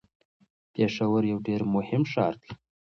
پېښور یو ډیر مهم ښار دی.